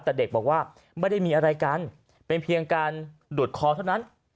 แต่เด็กบอกว่าไม่ได้มีอะไรกันเป็นเพียงการดูดคอเท่านั้น